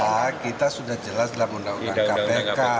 oh kami itu kita sudah jelas dalam undang undang kpk